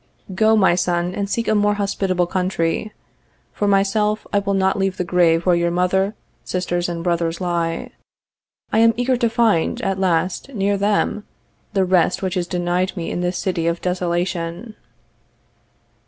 _ Go, my son, and seek a more hospitable country. For myself, I will not leave the grave where your mother, sisters and brothers lie. I am eager to find, at last, near them, the rest which is denied me in this city of desolation.